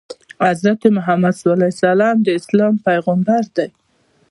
حضرت محمد ﷺ د اسلام پیغمبر دی.